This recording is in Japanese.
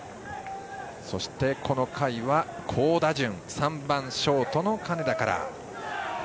そして、この回は好打順３番ショートの金田から。